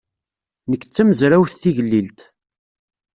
Nekk d tamezrawt tigellilt.